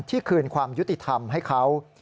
คืนความยุติธรรมให้เขา